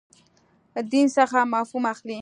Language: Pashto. دین څخه مفهوم اخلئ.